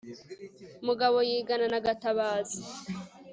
mugabo yigana na gatabazi